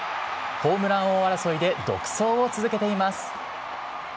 ホームラン王争いで独走を続けています。